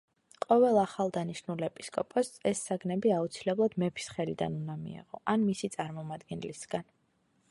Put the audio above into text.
ყოველ ახალ დანიშნულ ეპისკოპოსს ეს საგნები აუცილებლად მეფის ხელიდან უნდა მიეღო ან მისი წარმომადგენლისგან.